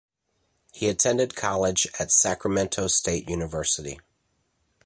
He attended college at Sacramento State University.